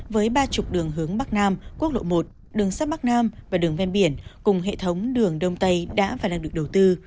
với ba mươi đường hướng bắc nam quốc lộ một đường sắt bắc nam và đường ven biển cùng hệ thống đường đông tây đã và đang được đầu tư